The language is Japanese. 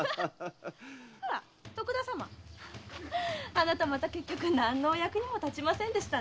あなたまた結局何のお役にも立ちませんでしたね。